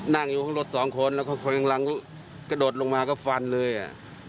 นั่งอยู่ข้างรถสองคนแล้วก็คนข้างหลังกระโดดลงมาก็ฟันเลยอ่ะ